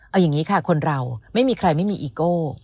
เอาอย่างนี้ค่ะคนเราไม่มีใครไม่มีอีโก้